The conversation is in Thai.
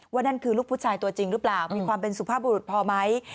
นั่นคือลูกผู้ชายตัวจริงหรือเปล่ามีความเป็นสุภาพบุรุษพอไหม